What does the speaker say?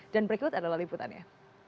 dan berikut adalah liputannya